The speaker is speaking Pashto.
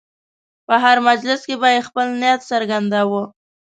په هر مجلس کې به یې خپل نیت څرګنداوه.